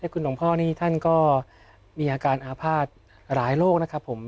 คุณหลวงพ่อนี่ท่านก็มีอาการอาภาษณ์หลายโรคนะครับผม